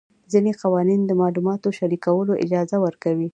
ځینې قوانین د معلوماتو شریکولو اجازه ورکوي.